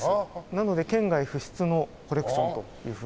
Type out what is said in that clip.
なので県外不出のコレクションというふうに。